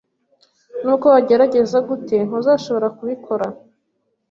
Nubwo wagerageza gute, ntuzashobora kubikora